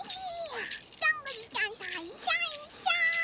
どんぐりさんといっしょいっしょ！